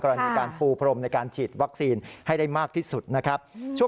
รณีการปูพรมในการฉีดวัคซีนให้ได้มากที่สุดนะครับ